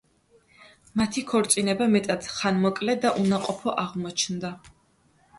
მათი ქორწინება მეტად ხანმოკლე და უნაყოფო აღმოჩნდა.